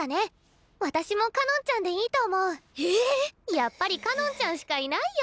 やっぱりかのんちゃんしかいないよ。